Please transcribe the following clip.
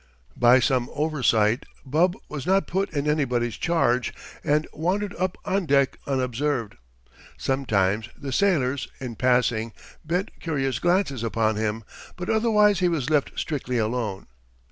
By some oversight, Bub was not put in anybody's charge, and wandered up on deck unobserved. Sometimes the sailors, in passing, bent curious glances upon him, but otherwise he was left strictly alone.